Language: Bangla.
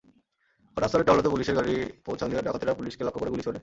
ঘটনাস্থলে টহলরত পুলিশের গাড়ি পৌঁছালে ডাকাতেরা পুলিশকে লক্ষ্য করে গুলি ছোড়ে।